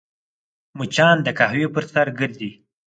مچان د قهوې پر سر ګرځي